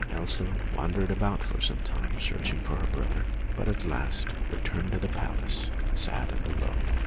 Elsa wandered about for some time, searching for her brother, but at last returned to the palace, sad and alone.